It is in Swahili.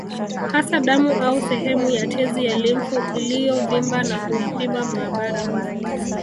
Hasa damu au sehemu ya tezi ya limfu iliyovimba na kuipima maabara